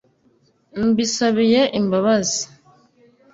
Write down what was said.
mbisabiye imbabazi